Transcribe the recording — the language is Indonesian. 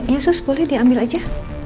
ya sus boleh diambil aja